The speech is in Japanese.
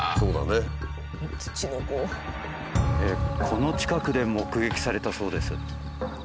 この近くで目撃されたそうです。